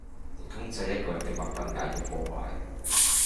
連公祭一個人的物品也要破壞